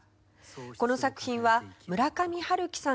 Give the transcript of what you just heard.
この作品は村上春樹さん